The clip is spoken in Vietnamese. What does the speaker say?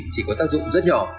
chỉ có tác dụng rất nhỏ